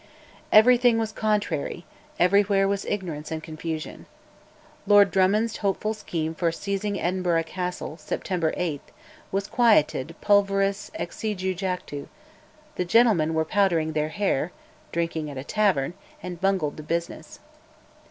Everything was contrary, everywhere was ignorance and confusion. Lord John Drummond's hopeful scheme for seizing Edinburgh Castle (September 8) was quieted pulveris exigui jactu, "the gentlemen were powdering their hair" drinking at a tavern and bungled the business.